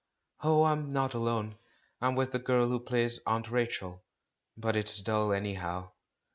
"Oh, I'm not alone, I'm with the girl who plays 'Aunt Rachel'; but it's dull anyhow.